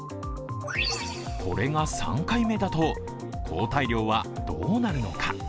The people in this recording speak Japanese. これが３回目だと、抗体量はどうなるのか。